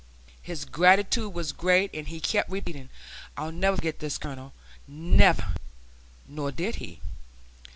His gratitude was great, and he kept repeating, "I'll never forget this, Colonel, never." Nor did he.